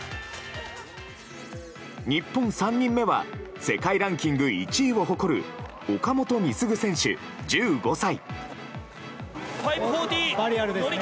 日本３人目は世界ランキング１位を誇る岡本碧優選手、１５歳。